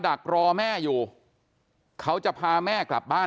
จนกระทั่งหลานชายที่ชื่อสิทธิชัยมั่นคงอายุ๒๙เนี่ยรู้ว่าแม่กลับบ้าน